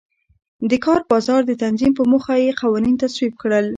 د کار بازار د تنظیم په موخه یې قوانین تصویب کړل.